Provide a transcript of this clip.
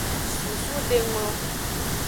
Susudenglo.